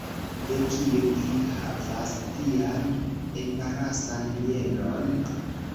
De kio vi havas tian embarasan mienon?